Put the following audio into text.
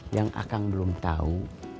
yang akang belum tahu